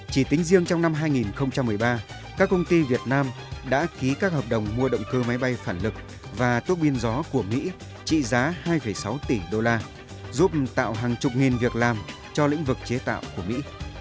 chỉ tính riêng trong năm hai nghìn một mươi ba các công ty việt nam đã ký các hợp đồng mua động cơ máy bay phản lực và thuốc pin gió của mỹ trị giá hai sáu tỷ đô la giúp tạo hàng chục nghìn việc làm cho lĩnh vực chế tạo của mỹ